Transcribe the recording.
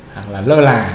hoặc là lơ là